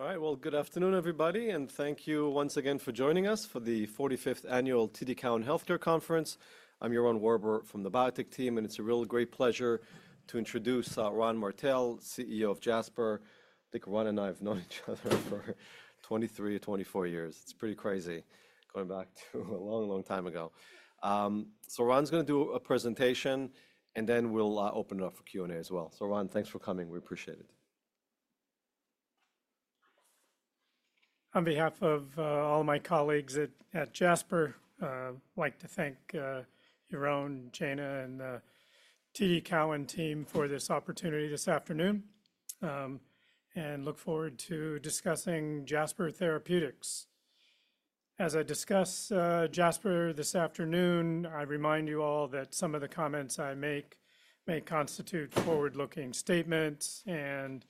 All right, good afternoon, everybody, and thank you once again for joining us for the 45th Annual TD Cowen Healthcare Conference. I'm Yaron Werber from the biotech team, and it's a real great pleasure to introduce Ron Martell, CEO of Jasper. I think Ron and I have known each other for 23 years or 24 years. It's pretty crazy going back to a long, long time ago. Ron's going to do a presentation, and then we'll open it up for Q&A as well. Ron, thanks for coming. We appreciate it. On behalf of all my colleagues at Jasper, I'd like to thank Yaron, Jana, and the TD Cowen team for this opportunity this afternoon, and look forward to discussing Jasper Therapeutics. As I discuss Jasper this afternoon, I remind you all that some of the comments I make may constitute forward-looking statements and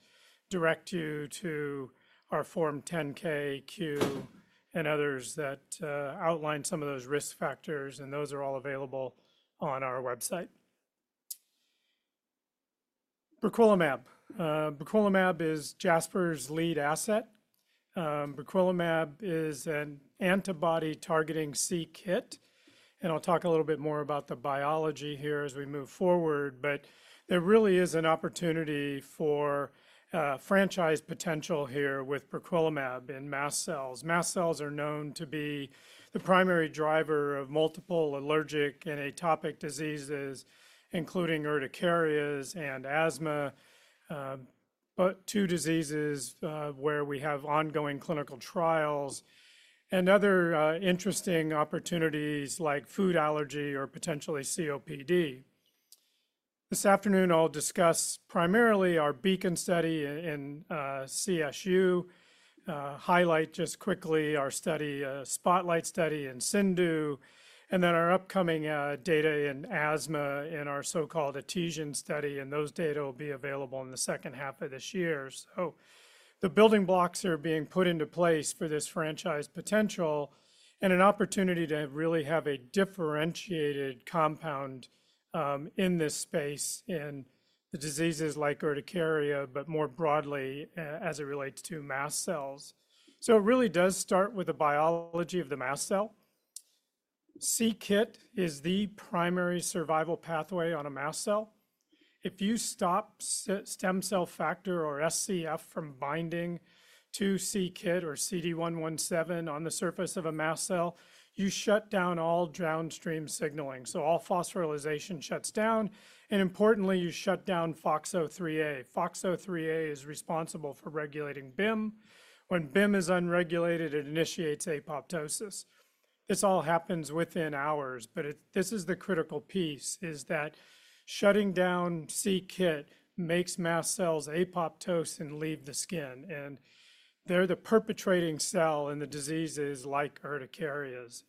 direct you to our Form 10-K, Form 10-Q, and others that outline some of those risk factors, and those are all available on our website. Briquilimab. Briquilimab is Jasper's lead asset. Briquilimab is an antibody-targeting c-Kit, and I'll talk a little bit more about the biology here as we move forward, but there really is an opportunity for franchise potential here with Briquilimab in mast cells. Mast cells are known to be the primary driver of multiple allergic and atopic diseases, including urticarias and asthma, but two diseases where we have ongoing clinical trials and other interesting opportunities like food allergy or potentially COPD. This afternoon, I'll discuss primarily our BEACON study in CSU, highlight just quickly our study, a SPOTLIGHT Study in CIndU, and then our upcoming data in asthma in our so-called adhesion study, and those data will be available in the second half of this year. The building blocks are being put into place for this franchise potential and an opportunity to really have a differentiated compound in this space in the diseases like urticaria, but more broadly as it relates to mast cells. It really does start with the biology of the mast cell. C-Kit is the primary survival pathway on a mast cell. If you stop stem cell factor or SCF from binding to c-Kit or CD117 on the surface of a mast cell, you shut down all downstream signaling. All phosphorylation shuts down, and importantly, you shut down FOXO3A. FOXO3A is responsible for regulating BIM. When BIM is unregulated, it initiates apoptosis. This all happens within hours, but this is the critical piece, is that shutting down c-Kit makes mast cells apoptose and leave the skin, and they're the perpetrating cell in the diseases like urticarias.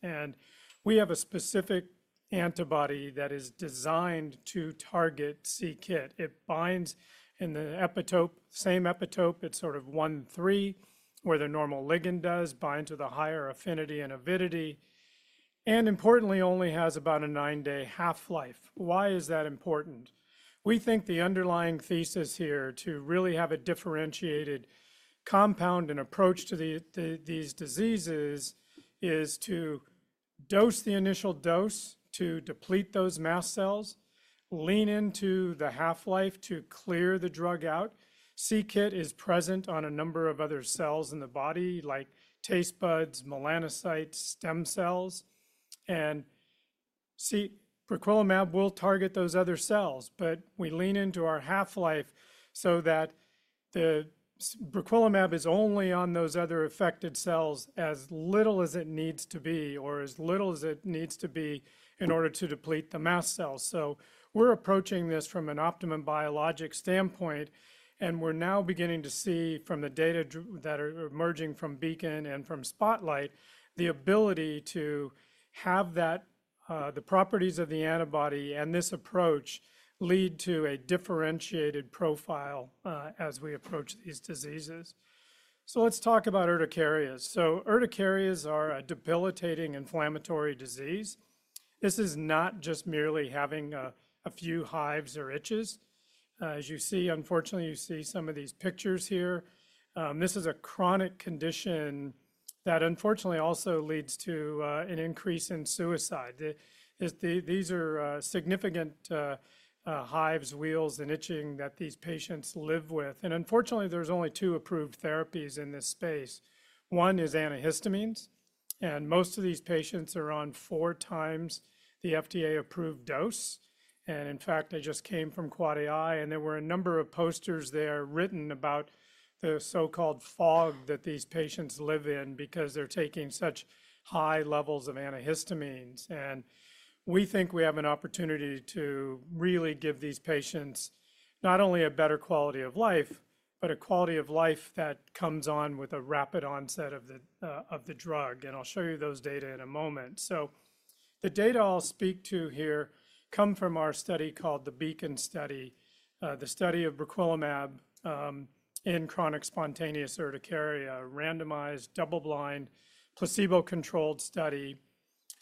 We have a specific antibody that is designed to target c-Kit. It binds in the epitope, same epitope, it's sort of 1, 3, where the normal ligand does, binds with a higher affinity and avidity, and importantly, only has about a nine-day half-life. Why is that important? We think the underlying thesis here to really have a differentiated compound and approach to these diseases is to dose the initial dose to deplete those mast cells, lean into the half-life to clear the drug out. C-Kit is present on a number of other cells in the body, like taste buds, melanocytes, stem cells, and briquilimab will target those other cells, but we lean into our half-life so that the briquilimab is only on those other affected cells as little as it needs to be or as little as it needs to be in order to deplete the mast cells. We're approaching this from an optimum biologic standpoint, and we're now beginning to see from the data that are emerging from BEACON and from SPOTLIGHT, the ability to have that, the properties of the antibody and this approach lead to a differentiated profile as we approach these diseases. Let's talk about urticarias. Urticarias are a debilitating inflammatory disease. This is not just merely having a few hives or itches. As you see, unfortunately, you see some of these pictures here. This is a chronic condition that unfortunately also leads to an increase in suicide. These are significant hives, wheals, and itching that these patients live with. Unfortunately, there's only two approved therapies in this space. One is antihistamines, and most of these patients are on four times the FDA-approved dose. In fact, I just came from AAAAI, and there were a number of posters there written about the so-called fog that these patients live in because they're taking such high levels of antihistamines. We think we have an opportunity to really give these patients not only a better quality of life, but a quality of life that comes on with a rapid onset of the drug. I'll show you those data in a moment. The data I'll speak to here come from our study called the BEACON study, the study of briquilimab in chronic spontaneous urticaria, randomized, double-blind, placebo-controlled study,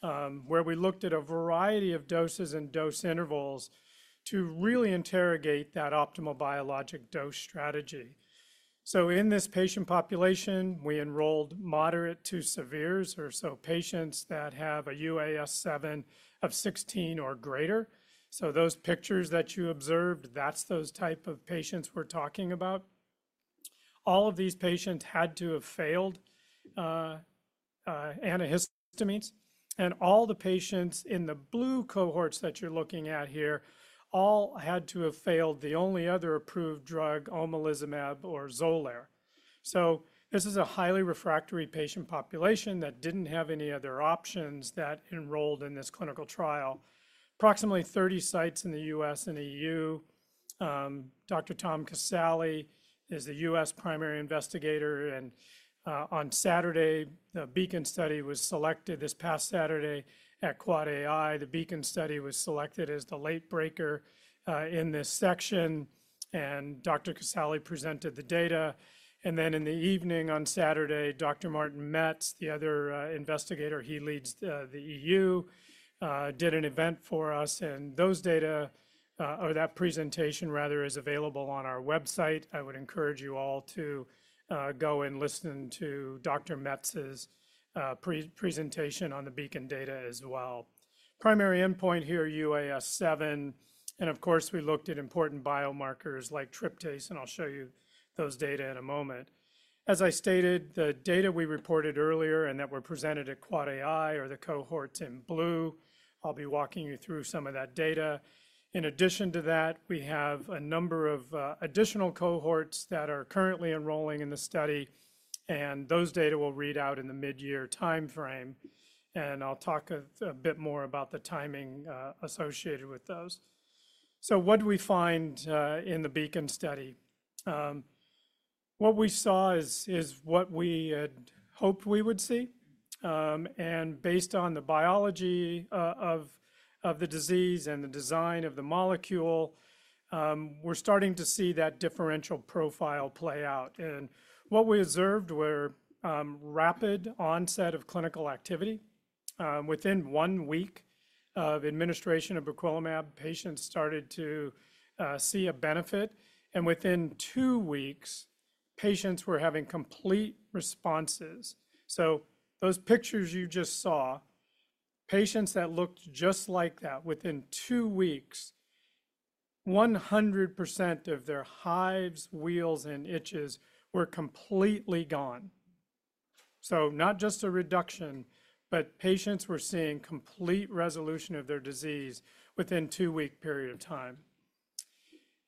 where we looked at a variety of doses and dose intervals to really interrogate that optimal biologic dose strategy. In this patient population, we enrolled moderate to severe, so patients that have a UAS7 of 16 or greater. Those pictures that you observed, that's those type of patients we're talking about. All of these patients had to have failed antihistamines, and all the patients in the blue cohorts that you're looking at here all had to have failed the only other approved drug, omalizumab or Xolair. This is a highly refractory patient population that didn't have any other options that enrolled in this clinical trial. Approximately 30 sites in the U.S. and EU. Dr. Tom Casale is the U.S. primary investigator, and on Saturday, the BEACON study was selected this past Saturday at AAAAI. The BEACON study was selected as the late breaker in this section, and Dr. Casale presented the data. In the evening on Saturday, Dr. Martin Metz, the other investigator, he leads the EU, did an event for us, and those data, or that presentation rather, is available on our website. I would encourage you all to go and listen to Dr. Metz's presentation on the BEACON data as well. Primary endpoint here, UAS7, and of course, we looked at important biomarkers like tryptase, and I'll show you those data in a moment. As I stated, the data we reported earlier and that were presented at AAAAI or the cohorts in blue, I'll be walking you through some of that data. In addition to that, we have a number of additional cohorts that are currently enrolling in the study, and those data will read out in the mid-year timeframe, and I'll talk a bit more about the timing associated with those. What do we find in the BEACON study? What we saw is what we had hoped we would see, and based on the biology of the disease and the design of the molecule, we're starting to see that differential profile play out. What we observed were rapid onset of clinical activity. Within one week of administration of briquilimab, patients started to see a benefit, and within two weeks, patients were having complete responses. Those pictures you just saw, patients that looked just like that, within two weeks, 100% of their hives, wheals, and itches were completely gone. Not just a reduction, but patients were seeing complete resolution of their disease within a two-week period of time.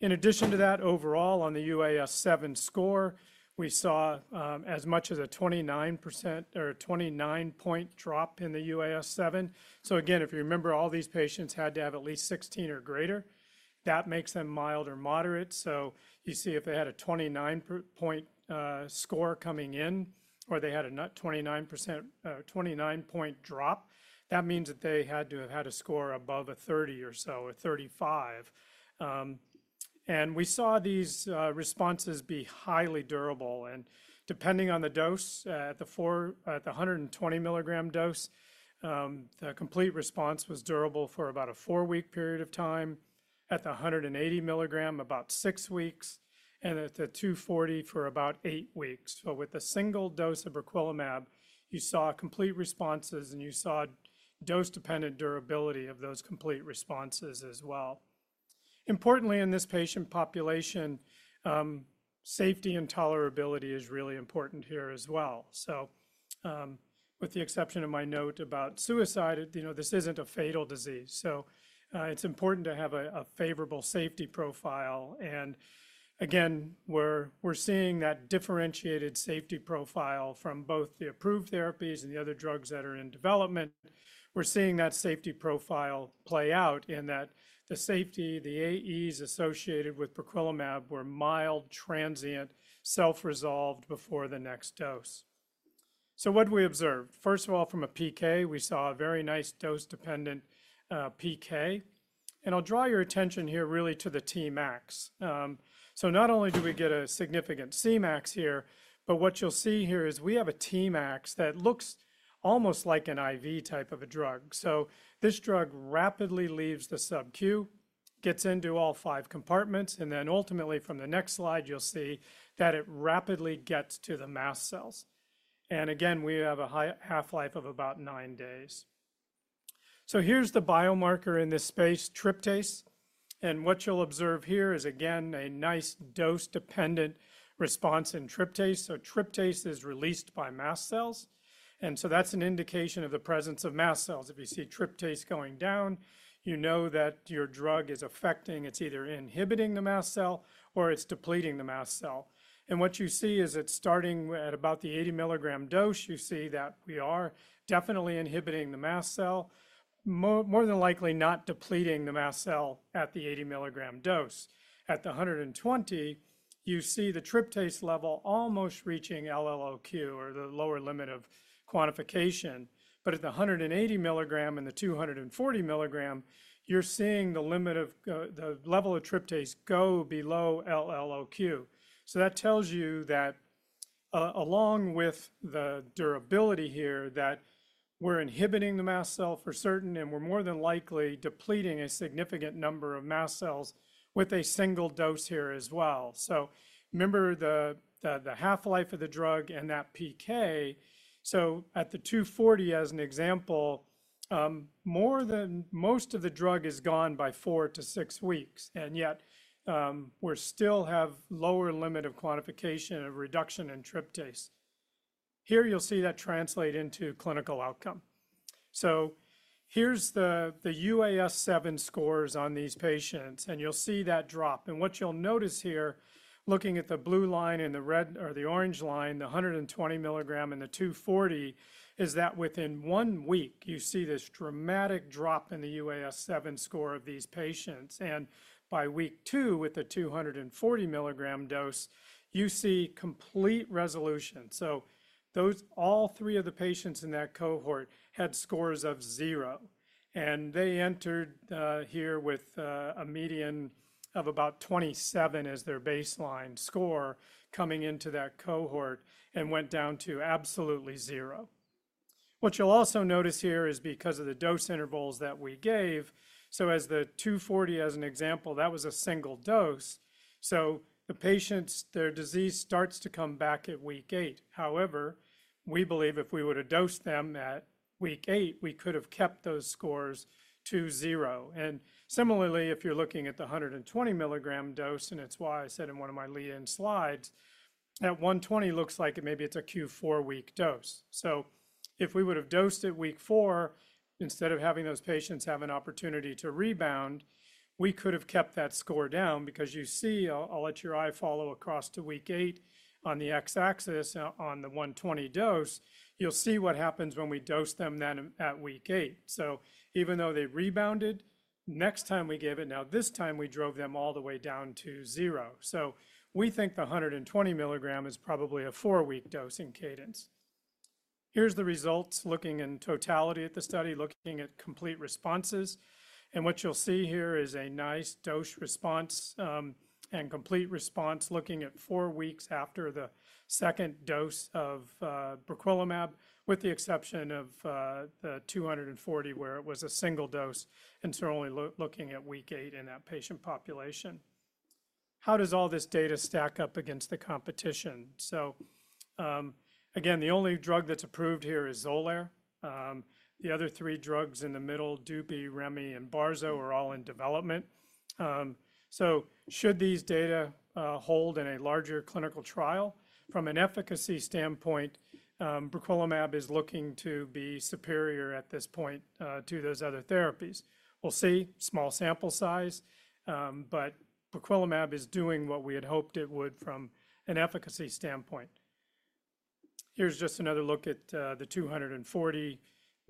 In addition to that, overall, on the UAS7 score, we saw as much as a 29% or a 29-point drop in the UAS7. Again, if you remember, all these patients had to have at least 16 or greater. That makes them mild or moderate. You see if they had a 29-point score coming in or they had a 29-point drop, that means that they had to have had a score above a 30 or so, a 35. We saw these responses be highly durable, and depending on the dose, at the 120 mg dose, the complete response was durable for about a four-week period of time, at the 180 mg, about six weeks, and at the 240 mg for about eight weeks. With a single dose of briquilimab, you saw complete responses, and you saw dose-dependent durability of those complete responses as well. Importantly, in this patient population, safety and tolerability is really important here as well. With the exception of my note about suicide, you know, this isn't a fatal disease. It is important to have a favorable safety profile, and again, we're seeing that differentiated safety profile from both the approved therapies and the other drugs that are in development. We're seeing that safety profile play out in that the safety, the AEs associated with briquilimab were mild, transient, self-resolved before the next dose. What do we observe? First of all, from a PK, we saw a very nice dose-dependent PK, and I'll draw your attention here really to the Tmax. Not only do we get a significant Cmax here, but what you'll see here is we have a Tmax that looks almost like an IV type of a drug. This drug rapidly leaves the subQ, gets into all five compartments, and then ultimately, from the next slide, you'll see that it rapidly gets to the mast cells. We have a half-life of about nine days. Here's the biomarker in this space, tryptase, and what you'll observe here is a nice dose-dependent response in tryptase. Tryptase is released by mast cells, and that's an indication of the presence of mast cells. If you see tryptase going down, you know that your drug is affecting, it's either inhibiting the mast cell or it's depleting the mast cell. What you see is starting at about the 80 mg dose, you see that we are definitely inhibiting the mast cell, more than likely not depleting the mast cell at the 80 mg dose. At the 120 mg, you see the tryptase level almost reaching LLOQ or the lower limit of quantification, but at the 180 mg and the 240 mg, you're seeing the level of tryptase go below LLOQ. That tells you that along with the durability here, that we're inhibiting the mast cell for certain, and we're more than likely depleting a significant number of mast cells with a single dose here as well. Remember the half-life of the drug and that PK. At the 240 mg, as an example, most of the drug is gone by four to six weeks, and yet we still have lower limit of quantification of reduction in tryptase. Here you'll see that translate into clinical outcome. Here's the UAS7 scores on these patients, and you'll see that drop. What you'll notice here, looking at the blue line and the red or the orange line, the 120 mg and the 240 mg, is that within one week, you see this dramatic drop in the UAS7 score of these patients. By week two with the 240 mg dose, you see complete resolution. All three of the patients in that cohort had scores of zero, and they entered here with a median of about 27 as their baseline score coming into that cohort and went down to absolutely zero. What you'll also notice here is because of the dose intervals that we gave, as the 240 mg, as an example, that was a single dose. The patients, their disease starts to come back at week eight. However, we believe if we would have dosed them at week eight, we could have kept those scores to zero. Similarly, if you're looking at the 120 mg dose, and it's why I said in one of my lead-in slides, at 120 mg, it looks like maybe it's a Q4 week dose. If we would have dosed at week four, instead of having those patients have an opportunity to rebound, we could have kept that score down because you see, I'll let your eye follow across to week eight on the X-axis on the 120 mg dose, you'll see what happens when we dose them then at week eight. Even though they rebounded, next time we gave it, now this time we drove them all the way down to zero. We think the 120 mg is probably a four-week dosing cadence. Here are the results looking in totality at the study, looking at complete responses, and what you'll see here is a nice dose response and complete response looking at four weeks after the second dose of briquilimab, with the exception of the 240 mg where it was a single dose, and so only looking at week eight in that patient population. How does all this data stack up against the competition? Again, the only drug that's approved here is Xolair. The other three drugs in the middle, Dupi, Remi, and Barzo, are all in development. Should these data hold in a larger clinical trial? From an efficacy standpoint, briquilimab is looking to be superior at this point to those other therapies. We'll see, small sample size, but briquilimab is doing what we had hoped it would from an efficacy standpoint. Here's just another look at the 240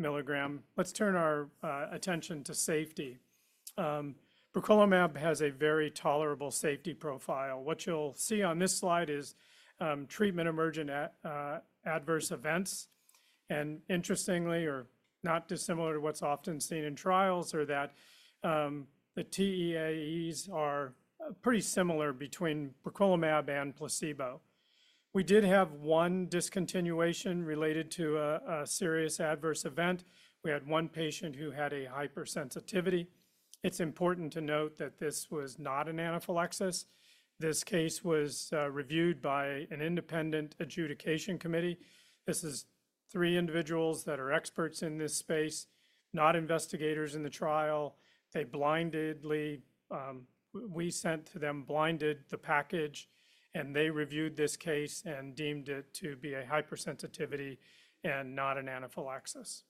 mg. Let's turn our attention to safety. Briquilimab has a very tolerable safety profile. What you'll see on this slide is treatment emergent adverse events, and interestingly, or not dissimilar to what's often seen in trials, are that the TEAEs are pretty similar between briquilimab and placebo. We did have one discontinuation related to a serious adverse event. We had one patient who had a hypersensitivity. It's important to note that this was not an anaphylaxis. This case was reviewed by an independent adjudication committee. This is three individuals that are experts in this space, not investigators in the trial. They blindedly, we sent to them blinded the package, and they reviewed this case and deemed it to be a hypersensitivity and not an anaphylaxis.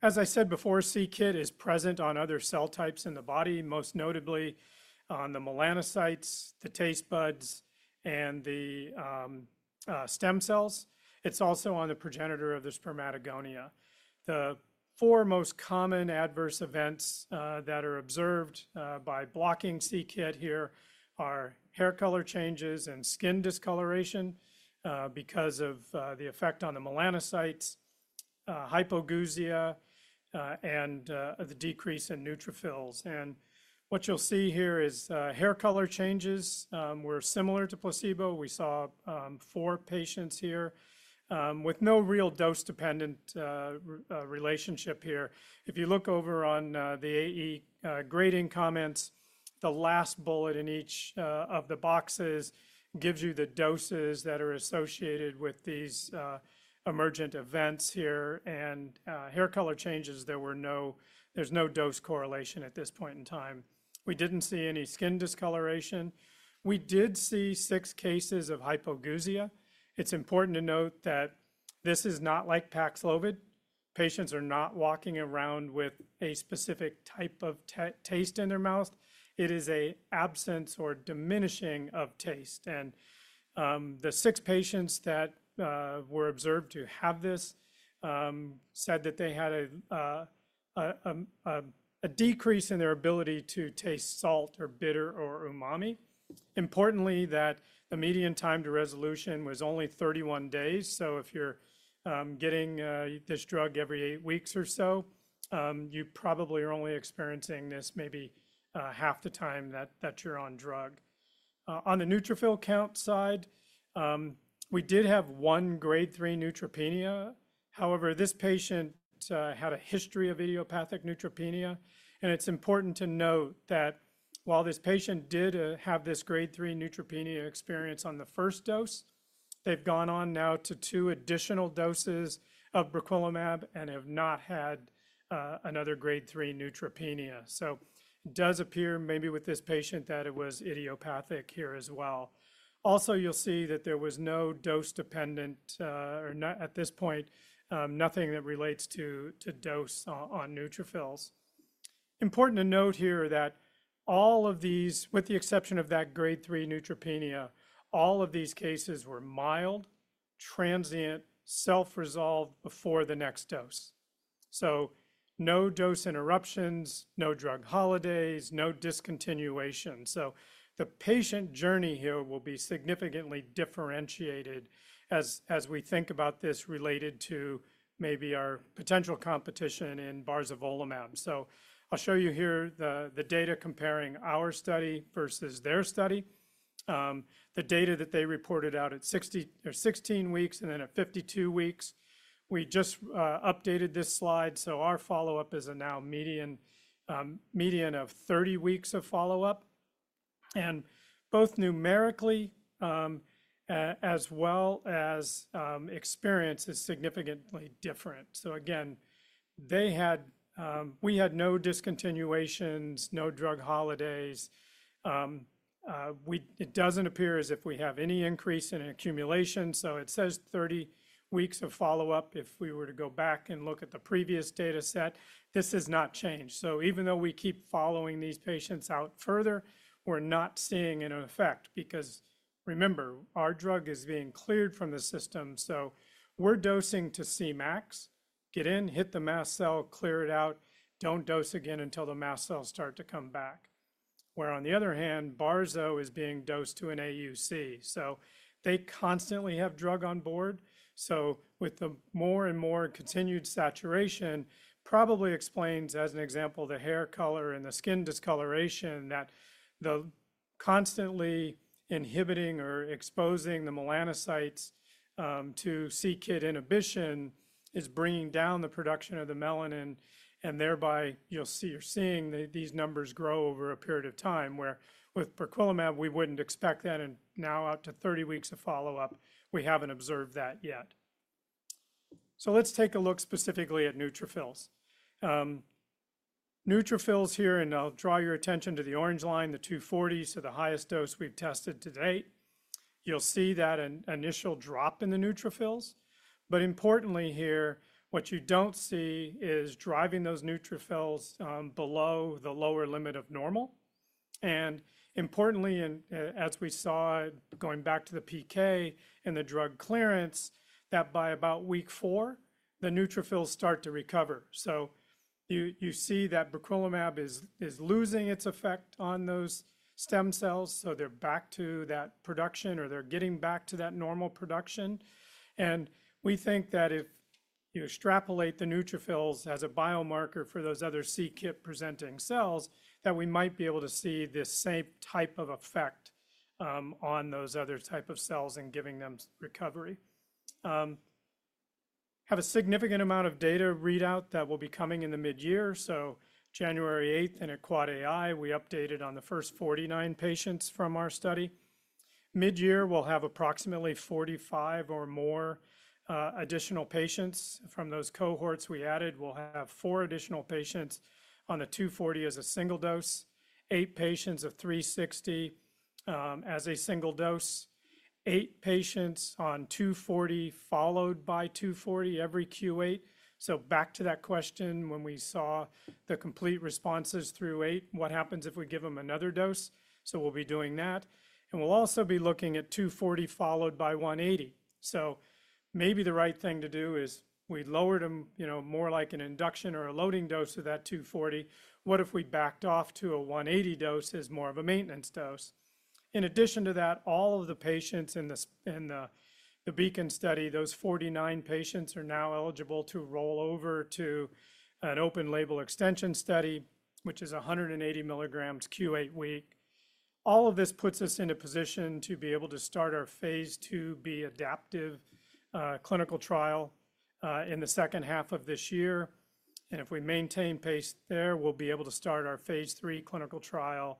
As I said before, c-Kit is present on other cell types in the body, most notably on the melanocytes, the taste buds, and the stem cells. It's also on the progenitor of the spermatogonia. The four most common adverse events that are observed by blocking c-Kit here are hair color changes and skin discoloration because of the effect on the melanocytes, hypogeusia, and the decrease in neutrophils. What you'll see here is hair color changes were similar to placebo. We saw four patients here with no real dose-dependent relationship here. If you look over on the AE grading comments, the last bullet in each of the boxes gives you the doses that are associated with these emergent events here, and hair color changes, there was no dose correlation at this point in time. We did not see any skin discoloration. We did see six cases of hypogeusia. It's important to note that this is not like Paxlovid. Patients are not walking around with a specific type of taste in their mouth. It is an absence or diminishing of taste, and the six patients that were observed to have this said that they had a decrease in their ability to taste salt or bitter or umami. Importantly, that the median time to resolution was only 31 days, so if you're getting this drug every eight weeks or so, you probably are only experiencing this maybe half the time that you're on drug. On the neutrophil count side, we did have one Grade 3 neutropenia. However, this patient had a history of idiopathic neutropenia, and it's important to note that while this patient did have this Grade 3 neutropenia experience on the first dose, they've gone on now to two additional doses of briquilimab and have not had another Grade 3 neutropenia. It does appear maybe with this patient that it was idiopathic here as well. Also, you'll see that there was no dose-dependent or at this point, nothing that relates to dose on neutrophils. Important to note here that all of these, with the exception of that Grade 3 neutropenia, all of these cases were mild, transient, self-resolved before the next dose. No dose interruptions, no drug holidays, no discontinuation. The patient journey here will be significantly differentiated as we think about this related to maybe our potential competition in barzolvolimab. I'll show you here the data comparing our study versus their study. The data that they reported out at 16 weeks and then at 52 weeks, we just updated this slide, so our follow-up is now median of 30 weeks of follow-up, and both numerically as well as experience is significantly different. We had no discontinuations, no drug holidays. It doesn't appear as if we have any increase in accumulation, so it says 30 weeks of follow-up. If we were to go back and look at the previous data set, this has not changed. Even though we keep following these patients out further, we're not seeing an effect because remember, our drug is being cleared from the system, so we're dosing to Cmax. Get in, hit the mast cell, clear it out, don't dose again until the mast cells start to come back. Where on the other hand, barzolvolimab is being dosed to an AUC. They constantly have drug on board, so with the more and more continued saturation, probably explains as an example the hair color and the skin discoloration that the constantly inhibiting or exposing the melanocytes to c-Kit inhibition is bringing down the production of the melanin, and thereby you're seeing these numbers grow over a period of time where with briquilimab we wouldn't expect that, and now up to 30 weeks of follow-up, we haven't observed that yet. Let's take a look specifically at neutrophils. Neutrophils here, and I'll draw your attention to the orange line, the 240, so the highest dose we've tested to date. You'll see that an initial drop in the neutrophils, but importantly here, what you don't see is driving those neutrophils below the lower limit of normal. Importantly, as we saw going back to the PK and the drug clearance, by about week four, the neutrophils start to recover. You see that briquilimab is losing its effect on those stem cells, so they are back to that production or they are getting back to that normal production. We think that if you extrapolate the neutrophils as a biomarker for those other c-Kit presenting cells, we might be able to see this same type of effect on those other type of cells and giving them recovery. We have a significant amount of data readout that will be coming in the mid-year. On January 8 in AAAAI, we updated on the first 49 patients from our study. Mid-year, we will have approximately 45 or more additional patients from those cohorts we added. We'll have four additional patients on the 240 mg as a single dose, eight patients of 360 mg as a single dose, eight patients on 240 mg followed by 240 mg every Q8. Back to that question when we saw the complete responses through eight, what happens if we give them another dose? We'll be doing that, and we'll also be looking at 240 mg followed by 180 mg. Maybe the right thing to do is we lowered them more like an induction or a loading dose of that 240 mg. What if we backed off to a 180 mg dose as more of a maintenance dose? In addition to that, all of the patients in the BEACON study, those 49 patients are now eligible to roll over to an open label extension study, which is 180 mg Q8 week. All of this puts us in a position to be able to start our Phase IIb adaptive clinical trial in the second half of this year, and if we maintain pace there, we'll be able to start Phase III clinical trial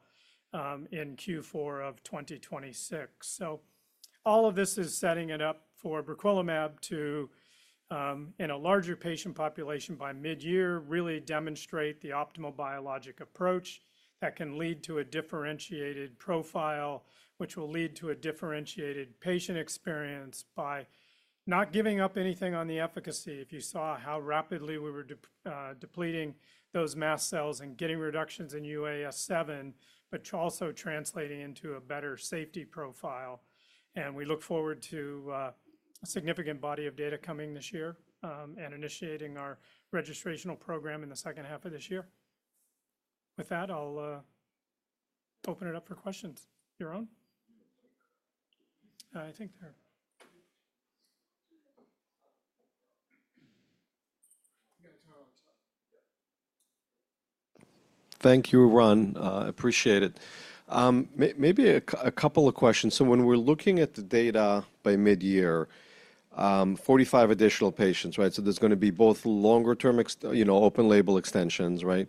in Q4 of 2026. All of this is setting it up for briquilimab to, in a larger patient population by mid-year, really demonstrate the optimal biologic approach that can lead to a differentiated profile, which will lead to a differentiated patient experience by not giving up anything on the efficacy. If you saw how rapidly we were depleting those mast cells and getting reductions in UAS7, but also translating into a better safety profile, we look forward to a significant body of data coming this year and initiating our registrational program in the second half of this year. With that, I'll open it up for questions. Yaron? I think they're— Thank you, Ron. I appreciate it. Maybe a couple of questions. When we're looking at the data by mid-year, 45 additional patients, right? There's going to be both longer-term open label extensions, right?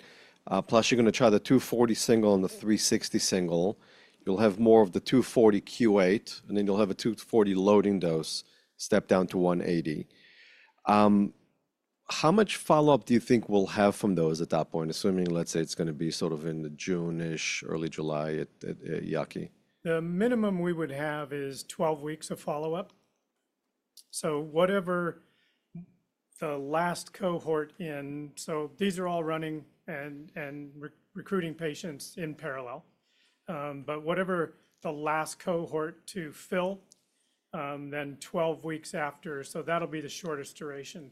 Plus you're going to try the 240 mg single and the 360 mg single. You'll have more of the 240 mg Q8, and then you'll have a 240 mg loading dose stepped down to 180 mg. How much follow-up do you think we'll have from those at that point, assuming, let's say, it's going to be sort of in the June-ish, early July at EAACI? The minimum we would have is 12 weeks of follow-up. Whatever the last cohort in—these are all running and recruiting patients in parallel—but whatever the last cohort to fill, then 12 weeks after, so that'll be the shortest duration.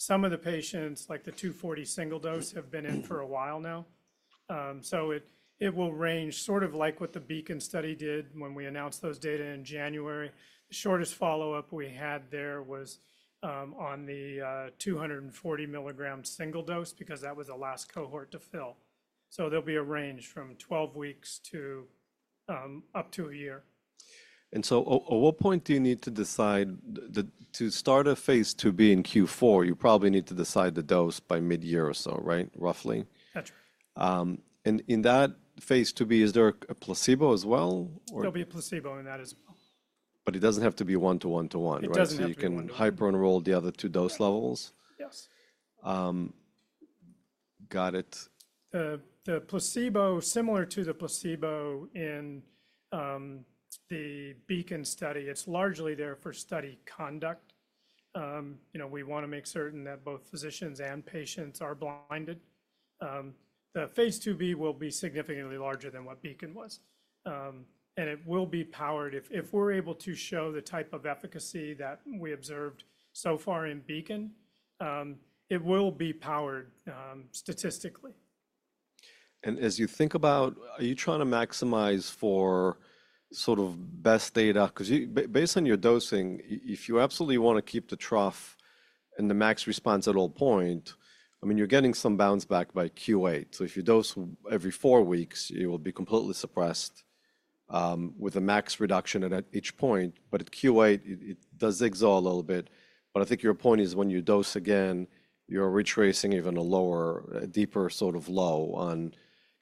Some of the patients, like the 240 mg single dose, have been in for a while now. It will range sort of like what the BEACON study did when we announced those data in January. The shortest follow-up we had there was on the 240 mg single dose because that was the last cohort to fill. There will be a range from 12 weeks to up to a year. At what point do you need to decide to start a Phase IIb in Q4? You probably need to decide the dose by mid-year or so, right? Roughly. That's right. In that Phase IIb, is there a placebo as well? There will be a placebo in that as well. It does not have to be one-to-one-to-one, right? It does not have to be one-to-one. You can hyper-enroll the other two dose levels? Yes. Got it. The placebo, similar to the placebo in the BEACON study, it's largely there for study conduct. We want to make certain that both physicians and patients are blinded. Phase IIb will be significantly larger than what BEACON was, and it will be powered if we're able to show the type of efficacy that we observed so far in BEACON. It will be powered statistically. As you think about, are you trying to maximize for sort of best data? Because based on your dosing, if you absolutely want to keep the trough and the max response at all point, I mean, you're getting some bounce back by Q8. If you dose every four weeks, it will be completely suppressed with a max reduction at each point, but at Q8, it does exhaust a little bit. I think your point is when you dose again, you're retracing even a lower, deeper sort of low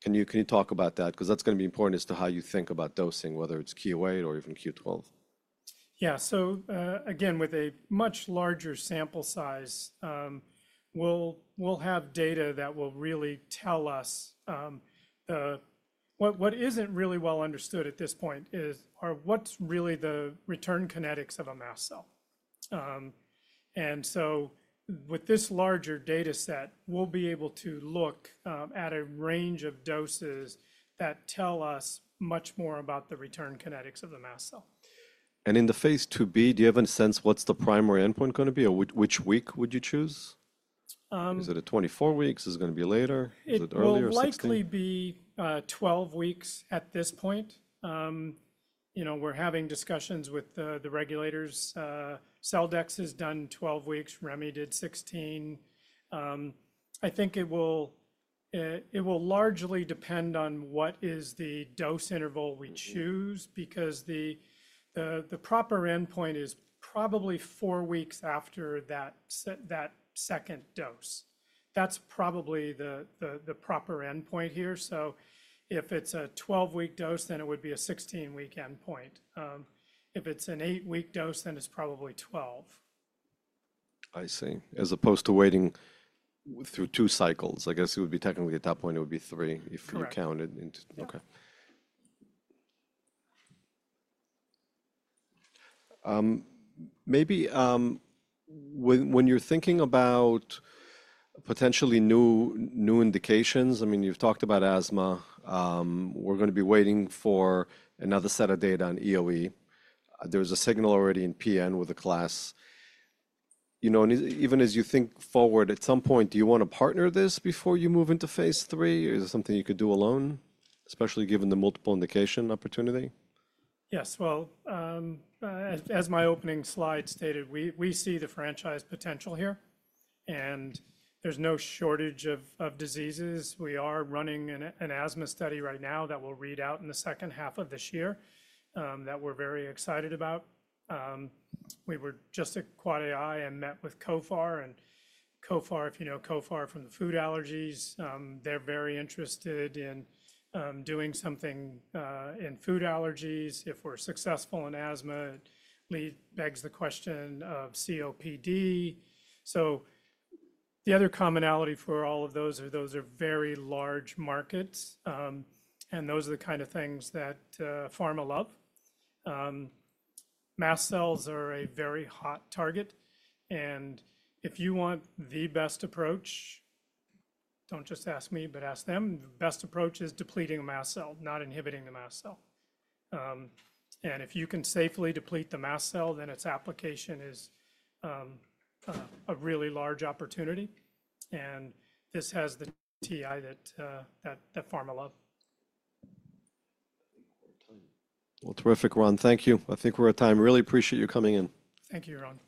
on—can you talk about that? Because that's going to be important as to how you think about dosing, whether it's Q8 or even Q12. Yeah. Again, with a much larger sample size, we'll have data that will really tell us what isn't really well understood at this point is what's really the return kinetics of a mast cell. With this larger data set, we'll be able to look at a range of doses that tell us much more about the return kinetics of the mast cell. In Phase IIb, do you have any sense what's the primary endpoint going to be or which week would you choose? Is it at 24 weeks? Is it going to be later? Is it earlier? It will likely be 12 weeks at this point. We're having discussions with the regulators. Celldex has done 12 weeks. Remi did 16. I think it will largely depend on what is the dose interval we choose because the proper endpoint is probably four weeks after that second dose. That's probably the proper endpoint here. If it's a 12-week dose, then it would be a 16-week endpoint. If it's an 8-week dose, then it's probably 12. I see. As opposed to waiting through two cycles, I guess it would be technically at that point, it would be three if you counted into—okay. Maybe when you're thinking about potentially new indications, I mean, you've talked about asthma. We're going to be waiting for another set of data on EOE. There's a signal already in PN with a class. Even as you think forward, at some point, do you want to partner this before you move into phase three? Is it something you could do alone, especially given the multiple indication opportunity? Yes. As my opening slide stated, we see the franchise potential here, and there is no shortage of diseases. We are running an asthma study right now that will read out in the second half of this year that we are very excited about. We were just at AAAAI and met with CoFAR. CoFAR, if you know CoFAR from the food allergies, they are very interested in doing something in food allergies. If we are successful in asthma, it begs the question of COPD. The other commonality for all of those is those are very large markets, and those are the kind of things that pharma love. Mast cells are a very hot target, and if you want the best approach, don't just ask me, but ask them. The best approach is depleting a mast cell, not inhibiting the mast cell. If you can safely deplete the mast cell, then its application is a really large opportunity, and this has the TI that pharma love. Terrific, Ron. Thank you. I think we're at time. Really appreciate you coming in. Thank you, Yaron.